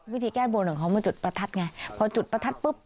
วิธีแก้บนของเขามาจุดประทัดไงพอจุดประทัดปุ๊บ